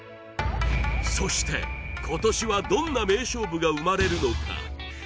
そして今年はどんな名勝負が生まれるのか？